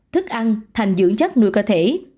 thức ăn thành dưỡng chất nuôi cơ thể